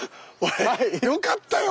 よかったよ